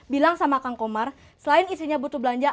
bilang sama kang komar selain isinya butuh belanja